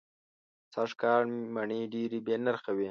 سږ کال مڼې دېرې بې نرخه وې.